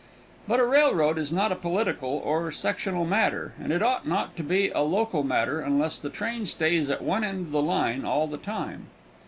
But a railroad is not a political or sectional matter, and it ought not to be a local matter unless the train stays at one end of the line all the time.